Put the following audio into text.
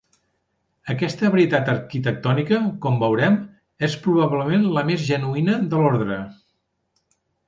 Aquesta varietat arquitectònica, com veurem, és probablement la més genuïna de l'orde.